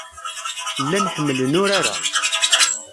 Llan ḥemmlen urar-a.